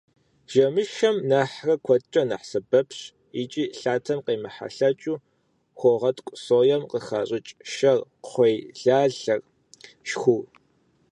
Жэмышэм нэхърэ куэдкӀэ нэхъ сэбэпщ икӀи лъатэм къемыхьэлъэкӀыу хуогъэткӀу соем къыхащӀыкӀ шэр, кхъуейлъалъэр, шхур.